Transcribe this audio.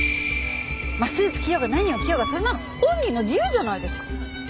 まあスーツ着ようが何を着ようがそんなの本人の自由じゃないですか。